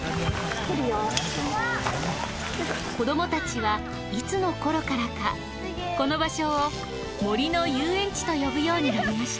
子どもたちはいつのころからかこの場所を「森のゆうえんち」と呼ぶようになりました。